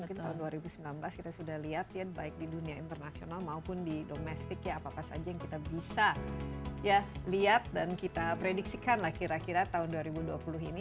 mungkin tahun dua ribu sembilan belas kita sudah lihat ya baik di dunia internasional maupun di domestik ya apa apa saja yang kita bisa ya lihat dan kita prediksikan lah kira kira tahun dua ribu dua puluh ini